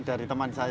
dari teman saya itu